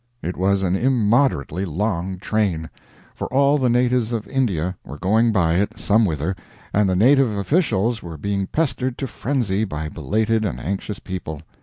It was an immoderately long train, for all the natives of India were going by it somewhither, and the native officials were being pestered to frenzy by belated and anxious people.